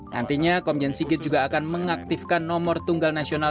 nantinya komjen sigit juga akan mengaktifkan nomor tunggal nasional